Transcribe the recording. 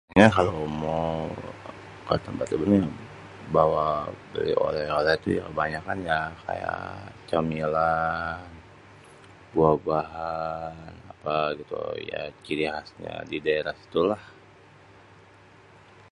Yah kalo mau ke tempat ini, beli oleh-oleh tu kebanyakan ya kayak cemilan, buah-buahan, apa gitu ya ciri khasnya di daerah situ lah.